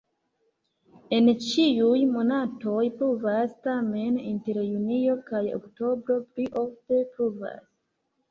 En ĉiuj monatoj pluvas, tamen inter junio kaj oktobro pli ofte pluvas.